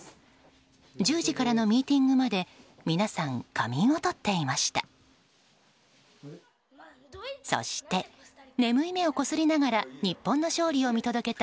１０時からのミーティングまで皆さん、仮眠をとっていました。